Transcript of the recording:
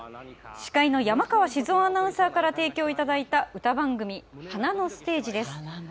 司会の山川静夫アナウンサーから提供いただいた歌番組「花のステージ」です。